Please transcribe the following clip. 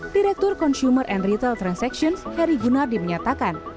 direktur consumer and retail transactions heri gunardi menyatakan